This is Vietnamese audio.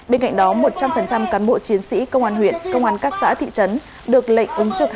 bên cạnh đó một trăm linh cán bộ chiến sĩ công an huyện công an các xã thị trấn được lệnh ứng trực hai mươi bốn trên hai mươi bốn giờ